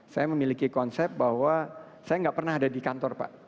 saya memiliki konsep bahwa saya nggak pernah ada di kantor pak